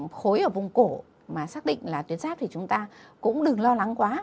khối ở vùng cổ mà xác định là tuyến giáp thì chúng ta cũng đừng lo lắng quá